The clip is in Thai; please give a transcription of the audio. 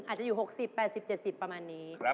อาจจะอยู่๖๐๘๐๗๐ประมาณนี้